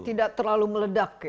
tidak terlalu meledak ya